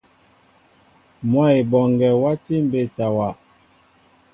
Mwă Eboŋgue wati mbétawa.